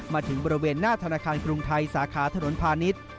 มาถึงบริเวณหน้าธนาคารกรุงไทยสาขาถนนพาณิชย์